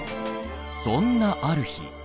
そんなある日。